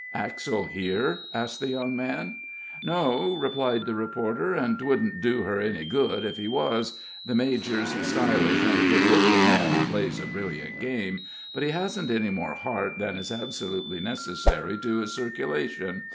"Axell here?" asked the young man. "No," replied the reporter; "and 'twouldn't do her any good if he was. The major's stylish and good looking, and plays a brilliant game, but he hasn't any more heart than is absolutely necessary to his circulation.